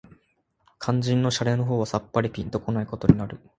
肝腎の洒落の方はさっぱりぴんと来ないことになる